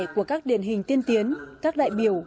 của các điển hình tiên tiến các đại biểu